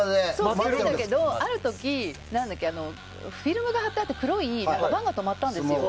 待ってるんだけどある時、フィルムが張ってあって黒いワゴンが止まったんですよ。